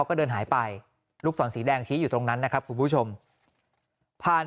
ก็เดินหายไปลูกศรสีแดงชี้อยู่ตรงนั้นนะครับคุณผู้ชมผ่าน